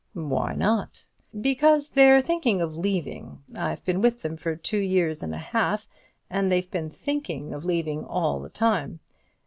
"Why not?" "Because they're thinking of leaving. I've been with them two years and a half, and they've been thinking of leaving all the time.